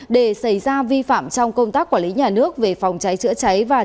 để xảy ra vi phạm trong công tác quản lý nhà nước về phòng cháy chữa cháy và